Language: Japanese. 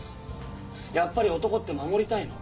やっぱり男って守りたいの。